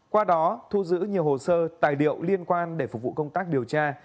qua đó thu giữ nhiều hồ sơ tài liệu liên quan để phục vụ công tác điều tra